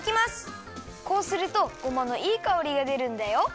こうするとごまのいいかおりがでるんだよ。